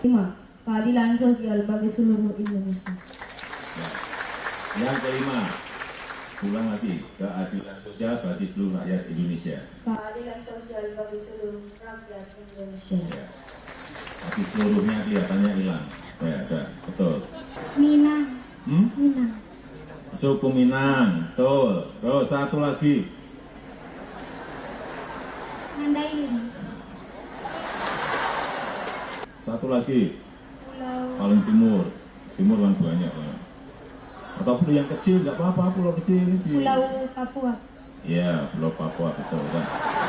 kuis berhadiah sepeda rupanya menjadi agenda rutin yang diselipkan presiden joko widodo